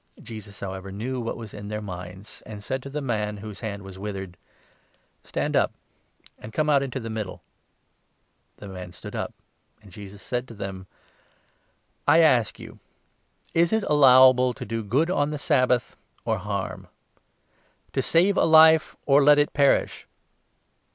Jesus, however, 8 kiK w what was in their minds, and said to the man whose hand was withered :" Stand up and come out into the middle." The man stood up ; and Jesus said to them : 9 " I ask you, is it allowable to do good on the Sabbath — or harm ? to save a life, or let it perish